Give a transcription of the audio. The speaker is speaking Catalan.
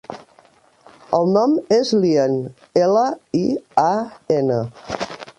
El nom és Lian: ela, i, a, ena.